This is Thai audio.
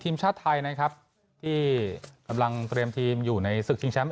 ทีมชาติไทยนะครับที่กำลังเตรียมทีมอยู่ในศึกชิงแชมป์